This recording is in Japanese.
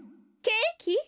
ケーキ？